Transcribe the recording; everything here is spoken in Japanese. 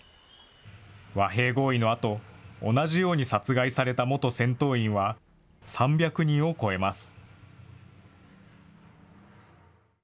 和平合意のあと、同じように殺害された元戦闘員は、３００人を超えます。